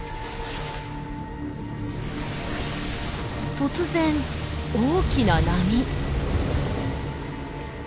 突然大きな波。